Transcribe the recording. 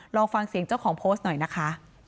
ลองฟังเสียงเจ้าของโพสต์หน่อยนะคะ